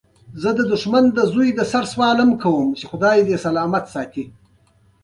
د پسوریازیس لپاره د څه شي وړانګې وکاروم؟